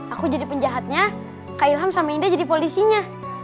aku jadi penjahatnya kak ilham sama indah jadi polisinya